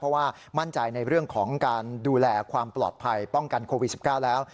เพราะว่ามั่นใจในเรื่องของการดูแลความปลอดภัยป้องกันโควิด๑๙แล้ว